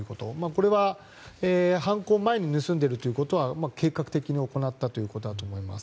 これは犯行前に盗んでいることは計画的に行ったということだと思います。